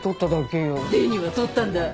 手には取ったんだ。